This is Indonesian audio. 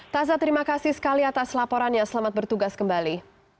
taza terima kasih sekali atas laporannya selamat bertugas kembali